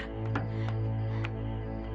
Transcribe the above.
yang dekat dengan pantai